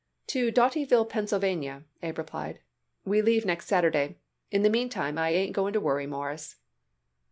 "To Dotyville, Pennsylvania," Abe replied. "We leave next Saturday. In the meantime I ain't going to worry, Mawruss."